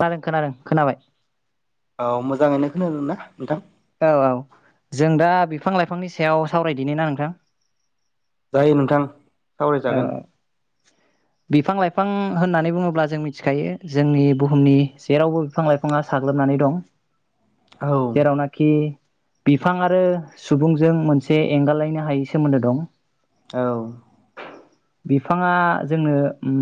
खोनादों खोनादों खोनाबाय औ मोजाङैनो खोनादों ना नोंथां? औ औ जों दा बिफां-लाइफांनि सायाव सावरायदिनि ना नोंथां? जायो नोंथां। औ सावरायजागोन बिफां-लाइफ फां होननानै बुङोब्ला जों मिथिखायो जोंनि बुहुमनि जेरावबो बिफां-लाइफाङा साग्लोबनानै दं। औ जेरावनाखि बिफां आरो सुबुंजों मोनसे एंगालायनो हायै सोमोन्दो दं। औ। बिफाङा जोंनो उम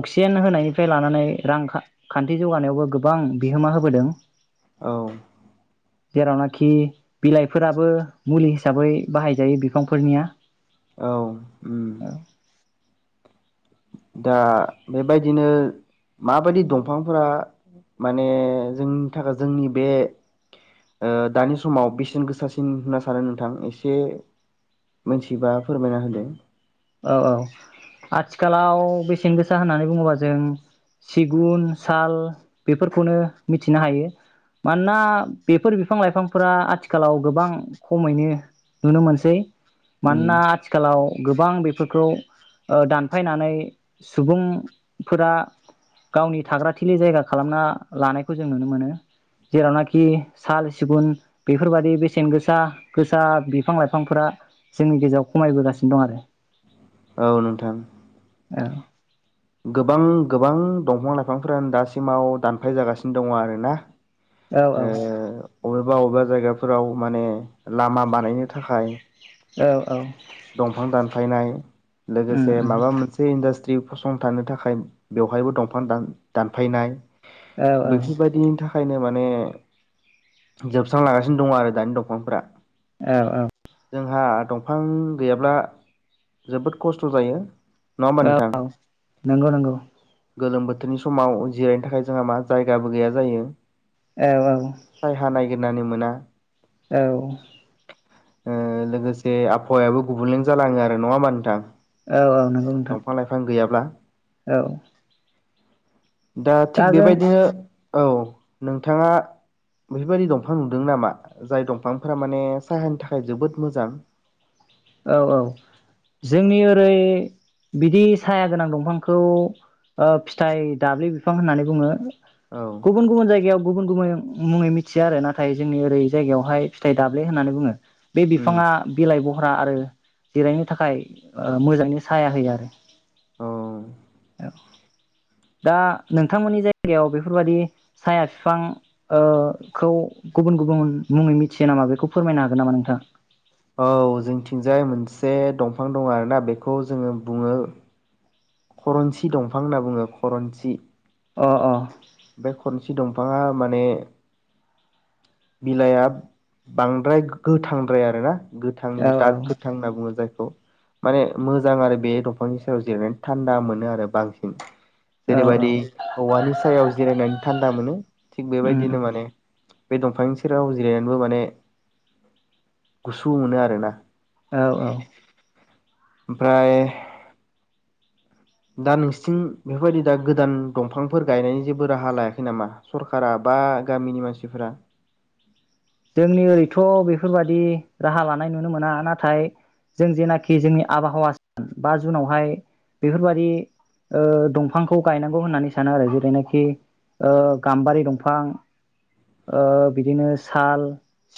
अक्सिजेन होनायनिफ्राय लानानै रां खा-खान्थि जौगानायावबो गोबां बिहोमा होबोदों। औ। जेरावनाखि बिलाइफोराबो मुलि हिसाबै बाहायजायो बिफांफोरनिया। औ उम। दा बेबायदिनो माबायदि दंफांफोरा माने जोंनि थाखाय जोंनि बे ओ दानि समाव बेसेन गोसासिन होनना सानो नोंथां एसे मोन्थिबा फोरमायना होदो। औ औ आथिखालाव बेसेन गोसा होननानै बुङोबा जों सिगुन साल बेफोरखौनो मिथिनो हायो। मानोना बेफोर बिफां-लाइफांफोरा आथिखालाव गोबां खमैनो नुनो मोनसै। उम मानोना आथिखालाव गोबां बेफ फोरखौ दानफायनानै सुबुंफोरा गावनि थाग्रा थिलि जायगा खालामना लानायखौ जों नुनो मोनो जेरावनाखि साल सिगुन बेफोरबादि बेसेन गोसा गोसा बिफां-लाइफांफोरा जोंनि गेजेराव खमायबोगासिनो दं आरो। औ नोंथां। औ। गोबां गोबां दंफां-लाइफांफोरानो दासिमाव दानफाय जागासिनो दङ आरोना। औ औ। ओ अबेबा अबेबा जायगाफोराव माने लामा बानायनो थाखाय औ औ दंफां दानफायनाय उम लोगोसे उम माबा मोनसे इन्डास्ट दि फस संथानो थाखाय बेवहायबो दंफां दान-दानफायनाय। औ बेफोरबायदिनि थाख ओंखायनो माने जोबस्रां लागासिनो दङ आरो दानि दंफांफोरा। औ औ। जोंहा दंफां गैयाब्ला जोबोद खस्थ' जायो। नङा होमबा नोंथां? नोंगौ नोंगौ। गोलोम बोथोरनि समाव जिरायनो थाखाय जोंहा मा जायगाबो गैया जायो।। औ औ गिरनानै मोना। औ। ओ लोगोसे आबहावायाबो गुबुंलेन जालाङो आरो। नङा होमबा नोंथां? औ औ नोंगौ नोंथां। दंफां लाइफां गैयाब्ला औ। दा थिग बेबायदिनो औ नोंथाङा बेफोरबायदि दंफां नुदों नामा जाय दंफांफोरा माने सायहानि थाखाय जोबोद मोजां? औ औ जोंनि ओरै बिदि साया गोनां दंफांखौ ओ फिथाइ दाब्ले बिफां होननानै बुङो। औ गुबुन गुबुन जायगायाव गुबुन गुबुन मुङै मिथिया आरो नाथाय जोंनि ओरै जायगायावहाय फिथाइ दाब्ले होननानै बुङो। बे उम बिफाङा बिलाइ बह रा आरो जिरायनो थाखाय ओ मोजाङै साया होयो आरो औ। दा नोंथांमोननि जायगायाव बेफोरबाददि साया बिफां ओ खौ गुबुन गुबुन मुङै मिथियो नामा बेखौ फोरमायनो हागोन नामा नोंथाङा? औ जोंथिंजाय मोनसे दंफां दङ आरोना बेखौ जोङो बुङो खरनसि दंफां होनना बुङो खरनसि अ अ। बे खनसि दंफाङा माने बिलाइआ बांद्राय गोथांद्राय आरो ना औ गोथांनिबो दाग गोथां होनना बुङो जाय खौ माने मोजां आरो बे दंफांनि सायाव जिरायनानै थान्दा मोनो आरो बांसिन औ औ जेरैबायदि औवानि सायाव जिरायनानै थान्दा मोनो थिग उम बेबायदिनो उम माने बे दंफांनि सेराव जिरायनानैबो माने गुसु मोनो आरोना औ औ। ओमफाय दा नोंसिथिं बेफोरबायदि दा गोदान दंफांफोर गायनायनि जेबो राहा लायाखै नामा सरकारख बा गामिनि मानसिफोरा? जोंनि ओरैथ' बेफोरबाददि राहा लानाय नुनो मोना नाथाय जों जेनाखि जोंनि आबहावा सान बा जुनावहाय बेफोरबादि ओ दंफांखौ गायनांगौ होननानै सानो आरो जेरैनाखि ओ गाम्बारि दंफां ओ बिदिनो साल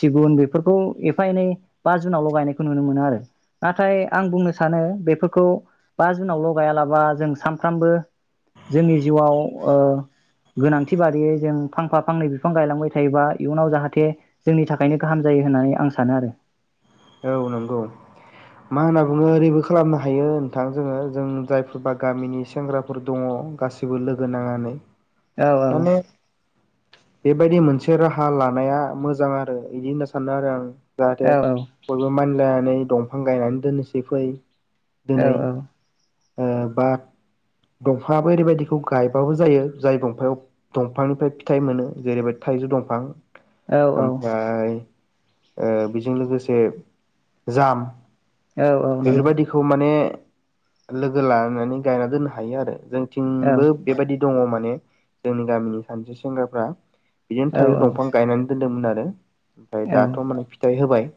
सिगुन बेफोरखौ एफा एनै बा जुनावल' गायनायखौ नुनो मोनो आरो नाथाय आं बुंनो सानो बेफोरखौ बा जुनावल' गायालाबा जों सानफ्रामबो जोंनि जिउयाव ओ गोनांथि बादियै जों फांफा फांनै बिफां गायलांबाय थायोबा इयुनाव जाहा थे जोंनि थाखायनो गाहाम जायो होननानै आं सानो आरो। औ नंगौ मा होनना बुङो ओरैबो खालामनो हायो नोंथां जोङो जों जायफोरबा गामिनि सेंग्राफोर दङ गासिबो लोगो नांनानै औ औ। माने बेबायदि मोनसे राहा लानाया मोजां आरो बिदि होनना सानो आरो आं औ औ। लायनानै दंफां गायनानै दोननोसै फै औ दिनै औ। ओ बा दंफाङाबो ओरैबायदिखौ गायबाबो जायो जाय दंफायाव दंफांनिफ्राय फिथाइ मोनो जेरैबायदि थाइजौ दंफां औ ओमफ्राय ओ बेजों लोगोसे जाम औ औ नंगौ बेफोरबायदिखौ माने लोगो लानानै गायना दोननो हायो आरो जों औ थिंबो बेबायदि दङ माने। जोंनि गामिनि सानैसो सेंग्राफ्रा बेजोंनो औ थाजै औ दंफां गायनानै। दोन्दोंमोन आरो ओमफ्राय दाथ' माने फिथाइ होबाय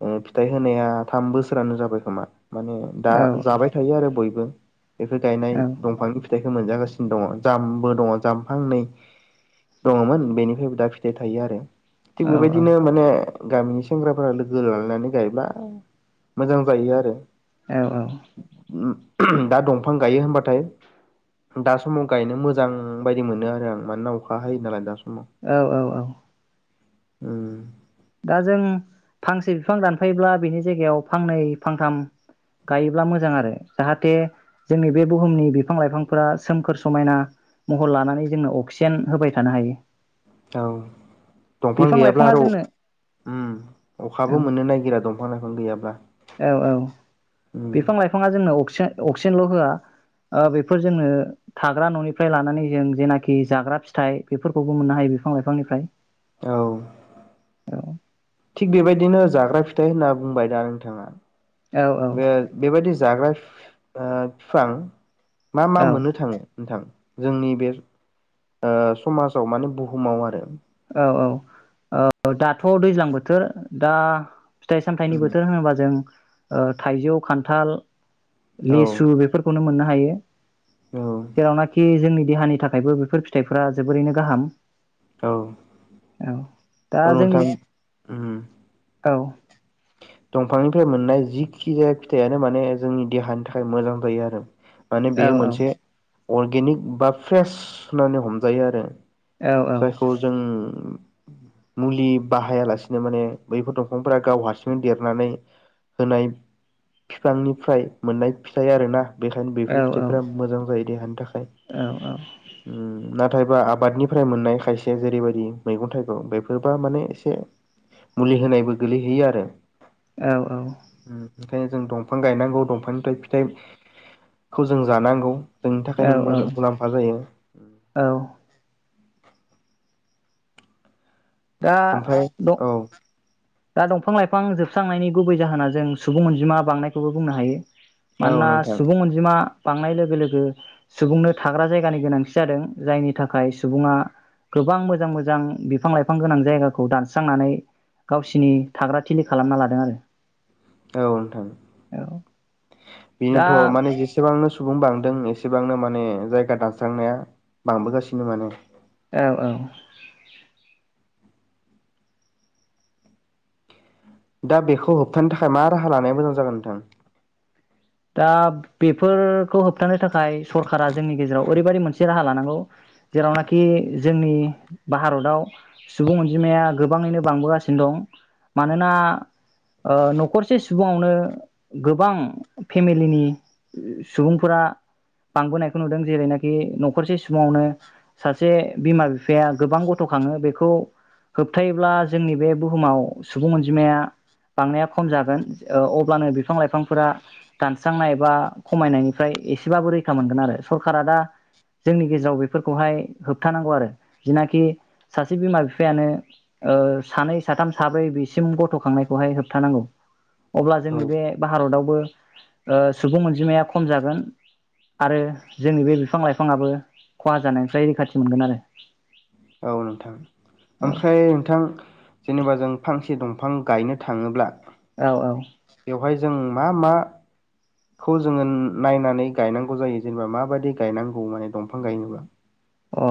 [inaudible] उम फिथाइ होनाया थाम बोसोरानो जाबाय खोमा माने दा जाबाय थायो आरो बयबो बेफोर गायनाय दंफांनि फिथाइखौ मोनजागासिनो दङ जाम्बो दङ जाम फांनै दङमोन बेनिफ्रायबो दा फिथाइ थायो आरो थिग बेबायदिनो माने गामिनि सेंग्राफ्रा लोगो लोगो लालायनानै गायब्ला मोजां जायो आरो औ औ उम दा दंफां गायो होनबाथाय दा समाव गायनो मोजां बायदि मोनो आरो आं मानोना अखा हायो नालाय दा स औ औ औ उम दा जों फांसे बिफां दानफायोब्ला बिनि जायगायाव फांनै फांथाम गायोब्ला मोजां आरो जाहाथे जोंनि बे बुहुमनि बिफां लाइफांफोरा सोमखोर समायना महर लानानै जोंनो अक्सिजेन होबाय थानो हायो औ दंफां बिफां गैयाब्ला लाइफाङा आरो जोंनो उम औ अखाबो मोननो नायगिरा दंफां लाइफां गैयाब्ला औ उम ओ अक्सिजेन अक्सिजेनल' होआ ओ बेफोर जोंनो थाग्रा न'निफ्राय लानानै जों जेनाखि जाग्रा फिथाइ बेफोरखौबो मोननो हायो बिफां लाइफांनिफ्राय औ औ थिग बेबायदिनो जाग्रा फि थाइ होनना बुंबाय दा नोंथाङा औ बे बेबायदि जाग्रा फि फा फिफां मा मा मोननो थाङो नोंथां जोंनि बे ओ समाजाव माने बुहुमाव आरो औ औ ओदाथ' दैज्लां बोथोर दा फिथाइ सामथाइनि उम बोथोर होनोबा जों थाइजौ खान्थाल औ लेसु बेफोरखौनो मोननो हा हायो औ जेरावनाखि जोंनि देहानि थाखायबो बेफोर फिथाइफोरा जोबोरैनो गाहाम औ औ दा औ जोंनि नोंथां उम औ दंफांनिफ्राय मोननाय जिखि जाया फिथाइयानो माने जोंनि देहानि थाखाय मोजां जायो आरो। माने औ बेयो औ मोनसे अर्गेनिक बा फ्रेस होननानै हमजायो आरो। औ जायखौ जों। मुलि बाहायालासिनो माने बैफोर दंफांफोरा गाव हारसिंनो देरनानै होनाय फिफांनिफ्राय मोननाय फिथाइ आरोना। बेखायनो औ औ बेफोर फिथाइफोरा मोजां जायो देहानि थाखाय औ ओम। नाथायबा आबादनि। फ्राय मोननाय खायसे जेरैबायदि मैगं थाइगं बेफोरबा माने एसे मुलि होनायबो गोलैहैयो आरो। औ-औ। नो जों दंफां गायनांगौ दंफांनिफ्राय फिथाइखौ जों जानांगौ। जोंनि औ थाखायनो मुलाम्फा जायो। औ दा ओमफ्राय औ। दा दंफां लाइफां जोबस्रांनायनि गुबै जाहोना जों सुबुं अनजिमा बांनायखौबो बुंनो हायो। औ मानोना नोंथां सुबुं अनजिमा। बांनाय लोगो लोगो सुबुंनो थाग्रा जायगानि गोनांथि जादों। जायनि थाखाय सुबुङा गोबां मोजां मोजां बिफां लाइफां गोनां जायगाखौ दानस्रांनानै गावसिनि थाग्रा थिलि खालामना लादों आरो। औ नोंथां औ दा बेनोथ' माने जेसेबांनो सुबुं बांदों एसेबांनो माने जायगा दा दानस्रांनाया बांबोगासिनो माने। औ-औ। दा बेखौ होबथानो थाखाय मा राहा लानाया मोजां जागोन नोंथां? दा बेफोरखौ होबथानो थाखाय सरकारा जोंनि गेजेराव ओरैबायदि मोनसे राहा लानांगौ जेरावनाखि जोंनि भारतआव सुबुं अनजिमाया गोबाङैनो बांबोगासिनो दं मानोना न'खरसे सुबुंआवनो गोबां। फेमिलिनि सुबुंफोरा बांबोनायखौ नुदों जेरैनाखि न'खरसे सुबुंआवनो सासे बिमा बिफाया गोबां गथ'खाङो बेखौ होबथायोबब्ला जोंनि बे बुहुमाव सुबुं अनजिमाया बांनाया खम जागोन। अब्लानो बिफां लाइफांफोरा दानस्रांनाय बा खमायनायनिफ्राय एसेबाबो रैखा मोनगोन। आरो सरखारारा दा जोंनि गेजेराव बेफोरखौहाय होबथानांगौ आरो जिनाखि सासे बिमा बिफायानो सानै साथाम साब्रै बेसिम गथ'खांनायखौहाय होबथानांगौ। अब्ला जोंनि बे औ भारतावबो। ओ सुबुं अनजिमाया खम जागोन आरो जोंनि बे बिफां लाइफांआबो खहा जानायनिफ्राय रैखाथि मोनगोन आरो। औ नोंथां ओमफ्राय नोंथां जेनेबा जों फांसे दं। फां गायनो थाङोब्ला। औ-औ। बेवहाय जों मा मा खौ जोङो नायनानै गायनांगौ जायो जेनेबा माबायदि गायनांगौ माने दंफां गायनोबा। अ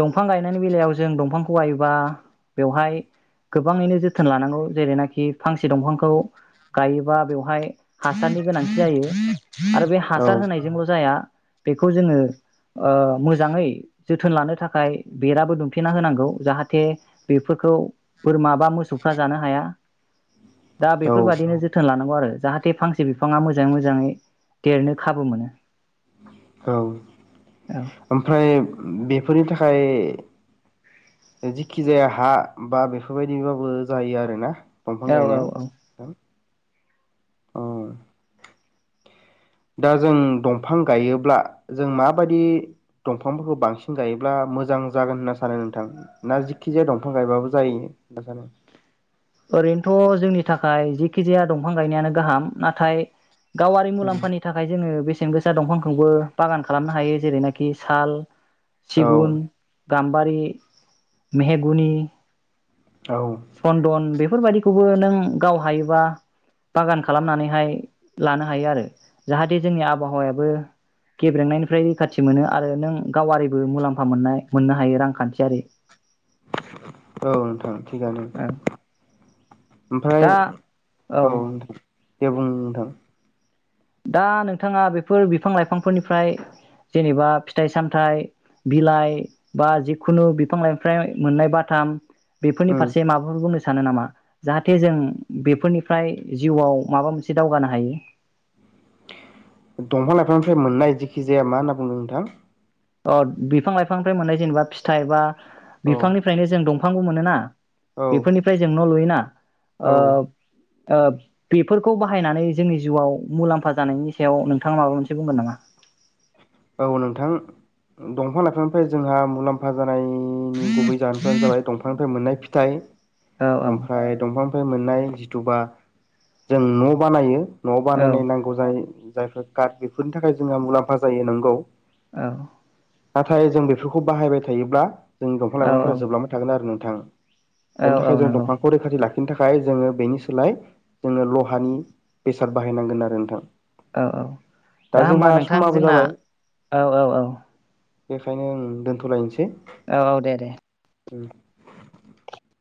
दंफां गायनायनि बेलायाव जों दंफांखौ गायोबा बेवहाय गोबाङैनो जोथोन लानांगौ जेरैनाखि फांसे दंफांखौ गायोबा बेवहाय हासारनि गोनांथि जायो। आरो बे हासार औ होनायजोंल' जाया। बेखौ जोंङो ओ मोजाङै। जोथोन लानो थाखाय बेराबो दुमफेना होनांगौ जाहाथे बेफोरखौ बोरमा बा मोसौफ्रा जानो हाया। दा औ बेफोरबायदिनो जोथोन लाना आरो जाहाथे फांसे बिफाङा मोजाङै मोजाङै देरनो खाबु मोनो। औ ओमफ्राय। बेफोरनि थाखाय जिखि जाया हा बा बेफोरबायदिबाबो जायो आरोना। दंफां औ औ औ गायनायाव औ अ दा जों दंफां गायोब्ला जों माबायदि दंफांफोरखौ बांसिन गायोब्ला मोजां जागोन होनना सानो नोंथां ना जिखिजाया दंफां गायबाबो जायो होनना सानो ओरैनोथ जोंनि थाखाय जिखिजाया दंफां गायनायानो गाहाम नाथाय गावारि मुलाम्फानि थाखाय जोङो बेसे सेन गोसा दंफांखौबो बागान खालामनो हायो जेरैनाखि साल औ सिगुन गाम्बारि, मेहेगुनि औ सनदन बे फोरबायाददिखौबो नों गाव हायोबा बागान खालामनानैहाय लानो हायो आरो जाहाथे जोंनि आबहावायाबो गेब्रेंनायनिफ्राय रैखाथि मोनो आरो नों गावारिबो मुलाम्फा मोननाय मोननो हायो रांखान्थियारि। औ नोंथां। थिगानो औ ओमफ्राय दा औ नोंथां। दे बुं नोंथां। दा नोंथाङा बेफोर बिफां लाइफांफोरनिफ्राय जेनेबा फिथाइ सामथाइ बिलाइ बा जिखुनु बिफां लाइफ्राय मोननाय बाथाम बेफोरनि फारसे उम माबाफोर बुंनो सानो नामा जाहाथे जों बेफोरनिफ्राय जिउआव माबा मोनसे दावगानो हायो। दंफां लाइफांनिफ्राय मोननाय जेखि जाया मा होनना बुंदों नोंथां अ बिफां लाइफांनिफ्राय मोननाय जेनेबा फिथाइ बा औ बिफांनिफ्रायनो जों दंफ फांबो मोनो ना औ बेफोरनिफ्राय जों न लुयोना ओ औ ओ बेफोरखौ बाहायनानै जोंनि जिउआव मुलाम्फा जानायनि सायाव नोंथाङा माबा मोनसे बुंगोन नामा? औ नोंथां दंफां लाफानिफ्राय जोंहा मुलाम्फा जाना नायनि गुबै जाहोनफोरानो जाबाय दंफांनिफ्राय मोननाय फिथाइ औ औ ओमफ्राय दंफां फाय मोननाय जिथुबा जों न बानायो। नआव बानायनाय नांगौ जाय जायफोर काड बेफोरनि थाखाय जोंहा मुलाम्फा जायो नों औ औ नाथाय जों बेफोरखौ बाहायबाय थायोब्ला जों दंफां लाइांफोरा औ जोबलांबाय थागोन आरो नों थां औ बेनि थाखाय औ जों नंगौ दंफांखौ रैखाथि लाखि बिनि थाखाय जोङो बेनि सोलाय जोंनो लहानि बेसाद बाहायनांगोन आरो नोंथां। औ औ दा होबा जोंहा नोंथां समाबो जोंना जाबाय औ औ औ। बेखायनो ओं दोन्थ'लायनोसै। औ औ, दे दे। [unintelligible]